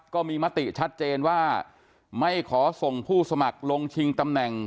ก็มีมติชัดเจนว่าไม่ขอส่งผู้สมัครลงชิงตำแหน่ง